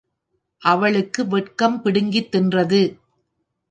அவளுக்கு வெட்கம் பிடுங்கித் தின்றது.